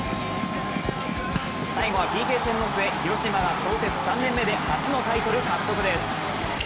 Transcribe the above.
最後はＰＫ戦の末、広島が創設３年目で初のタイトル獲得です。